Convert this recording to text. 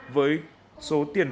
với số tiền